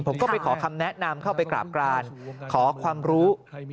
ผมก็ไปขอคำแนะนำเข้าไปกราบกรานขอความรู้